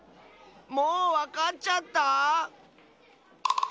もうわかっちゃった？